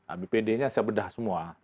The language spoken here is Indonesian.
abpd nya saya bedah semua